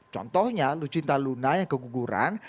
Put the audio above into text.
contohnya lucinta luna yang keguguran